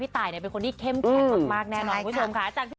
พี่ไข่พี่ไต่เป็นคนที่เข้มแข็งมากแน่นอนคุณผู้ชมค่ะ